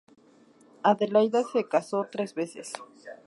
Adelaida se casó tres veces.